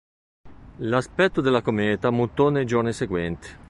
L'aspetto della cometa mutò nei giorni seguenti.